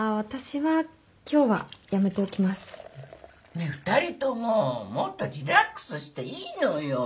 ねえ２人とももっとリラックスしていいのよ。